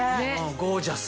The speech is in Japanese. ゴージャス。